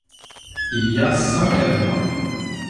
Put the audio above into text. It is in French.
Il y a cinq adjoints.